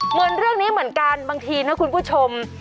เหมือนเรื่องนี้เหมือนกันบางทีนะคุณผู้ชม